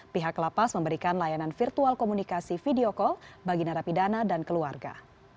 pihak lapas memberikan layanan virtual komunikasi video call bagi narapidana dan keluarga